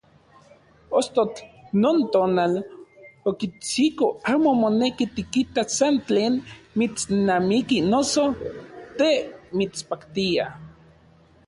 Ostotl non tonal okitsiko amo moneki tikitas san tlen mitsnamiki noso te mitspaktia.